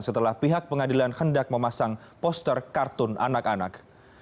setelah pihak pengadilan hendak memasang poster kartun anak anak